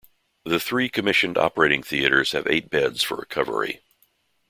The three commissioned operating theatres have eight beds for recovery.